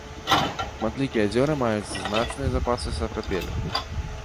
Шматлікія азёры маюць значныя запасы сапрапелю.